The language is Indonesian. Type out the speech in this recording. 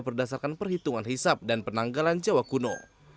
berdasarkan perhitungan hisap dan penanggalan jawa kuno